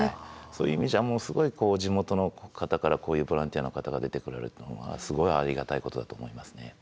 そういう意味じゃすごい地元の方からこういうボランティアの方が出てこられたのはすごいありがたいことだと思いますね。